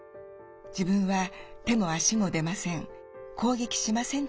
「自分は手も足も出ません。